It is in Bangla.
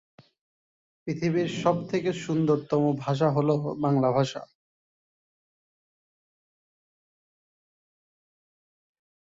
সমতল বা বর্ধনশীল।